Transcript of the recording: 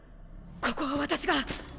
ここは私が。